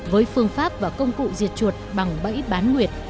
với phương pháp và công cụ diệt chuột bằng bẫy bán nguyệt